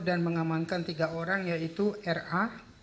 dan mengamankan tiga orang yaitu ra